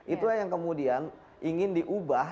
itulah yang kemudian ingin diubah